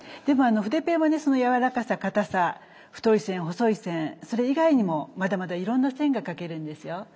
でも筆ペンはねそのやわらかさかたさ太い線細い線それ以外にもまだまだいろんな線が描けるんですよ。